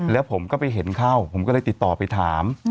แล้วผมก็ไปเห็นเข้าผมก็เลยติดต่อไปถาม